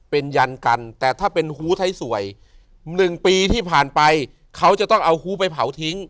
เป็นยันกันแต่ถ้าเป็นฮู้ไทยสวย๑ปีที่ผ่านไปเขาจะต้องเอาฮู้ไปเผาทิ้ง